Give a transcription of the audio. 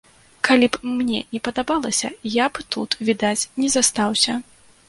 Калі б мне не падабалася, я б тут, відаць, не застаўся.